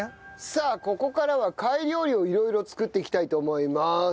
さあここからは貝料理を色々作っていきたいと思います。